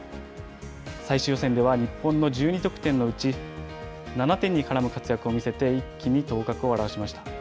最終予選では、日本の１２得点のうち、７点に絡む活躍を見せて一気に頭角を現しました。